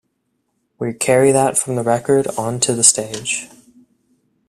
We carry that from the record on to the stage.